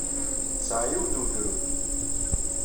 Tesɛa yiwen n wegrud.